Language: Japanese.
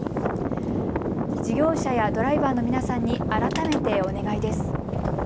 事業者やドライバーの皆さんに改めてお願いです。